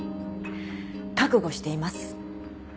覚悟しています。